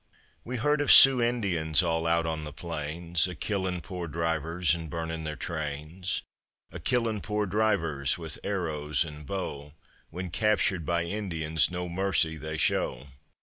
We heard of Sioux Indians all out on the plains A killing poor drivers and burning their trains, A killing poor drivers with arrows and bow, When captured by Indians no mercy they show.